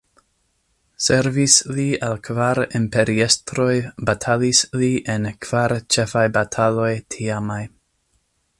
Servis li al kvar imperiestroj, batalis li en kvar ĉefaj bataloj tiamaj.